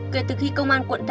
kể từ khi công an quân thành phố